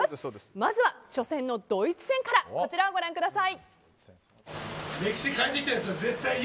まずは初戦のドイツ戦からこちらをご覧ください。